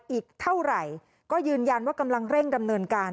อีกเท่าไหร่ก็ยืนยันว่ากำลังเร่งดำเนินการ